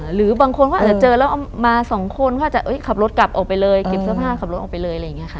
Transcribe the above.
หรือบางคนอาจจะเจอแล้วมาสองคนก็จะขับรถกลับออกไปเลยกินเสื้อผ้าขับรถออกไปเลย